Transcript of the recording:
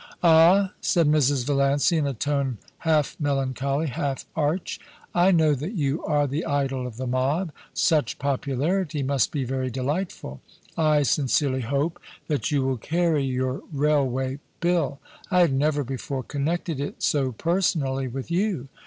* Ah !' said Mrs. Valiancy in a tone half melancholy, half arch, * I know that you are the idol of the mob ; such popu larity must be very delightful I sincerely hope that you will carry your Railway Bill I had never before connected it so personally with you.